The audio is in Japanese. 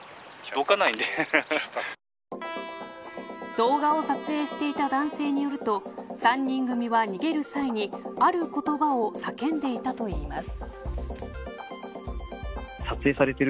動画を撮影していた男性によると３人組は逃げる際にある言葉を叫んでいたといいます。